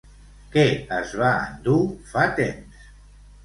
Què es va endur fa temps?